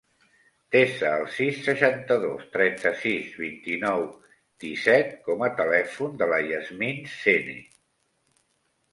Desa el sis, seixanta-dos, trenta-sis, vint-i-nou, disset com a telèfon de la Yasmin Sene.